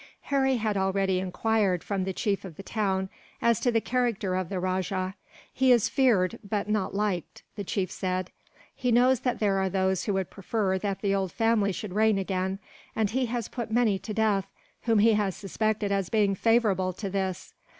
Harry had already enquired, from the chief of the town, as to the character of the rajah. "He is feared, but not liked," the chief said. "He knows that there are those who would prefer that the old family should reign again, and he has put many to death whom he has suspected as being favourable to this.